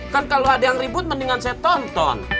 kan kalau ada yang ribut mendingan saya tonton